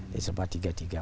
jadi sebuah tiga tiga